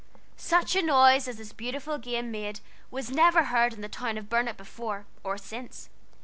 Such a noise as this beautiful game made was never heard in the town of Burnet before or since.